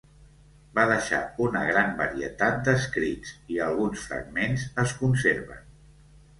Va deixar una gran varietat d'escrits, i alguns fragments es conserven.